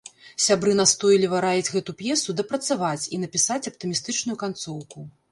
Сябры настойліва раяць гэту п'есу дапрацаваць і напісаць аптымістычную канцоўку.